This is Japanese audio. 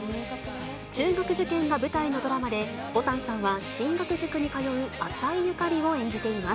中学受験が舞台のドラマで、ぼたんさんは進学塾に通う浅井紫を演じています。